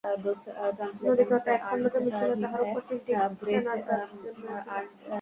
নদীতটে একখণ্ড জমি ছিল, তাহার উপর তিনটি চেনার গাছ জন্মিয়াছিল।